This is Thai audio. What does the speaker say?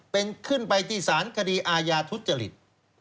เป็นขึ้นไปที่สารคดีอาญาทุจริต